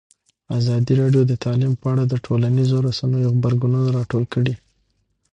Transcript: ازادي راډیو د تعلیم په اړه د ټولنیزو رسنیو غبرګونونه راټول کړي.